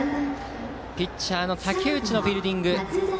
ピッチャーの武内のフィールディング。